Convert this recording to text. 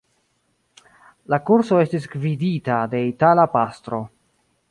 La kurso estis gvidita de itala pastro.